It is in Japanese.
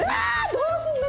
どうするの？